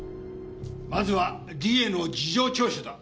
まずは理恵の事情聴取だ。